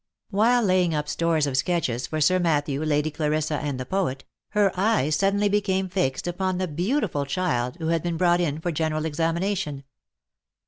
While laying up stores of sketches from Sir Matthew, Lady Cla OF MICHAEL ARMSTRONG. 93 rissa, and the poet, her eye suddenly became fixed upon the beau tiful child who had been brought in for general examination.